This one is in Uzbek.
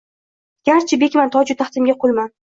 Garchi bekman, toju taxtimga qulman